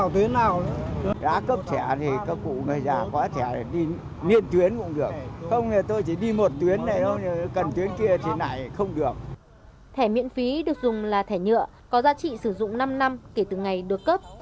thẻ miễn phí được dùng là thẻ nhựa có giá trị sử dụng năm năm kể từ ngày được cấp